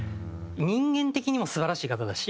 人間的にも素晴らしい方だし。